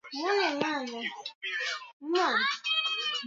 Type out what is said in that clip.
tia mchanganyiko wa kitunguu na nyanya